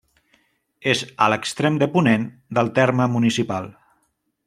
És a l'extrem de ponent del terme municipal.